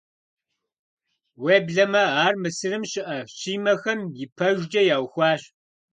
Уеблэмэ ар Мысырым щыӀэ Щимэхэм ипэжкӀэ яухуащ.